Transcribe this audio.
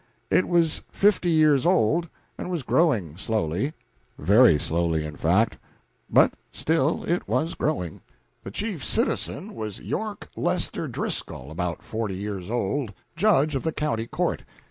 It was fifty years old, and was growing slowly very slowly, in fact, but still it was growing. The chief citizen was York Leicester Driscoll, about forty years old, judge of the county court.